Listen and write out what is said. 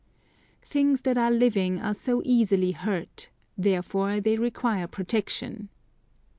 Things that are living are so easily hurt; therefore they require protection.